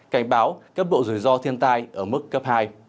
cảnh báo các bộ rủi ro thiên tai ở mức cấp hai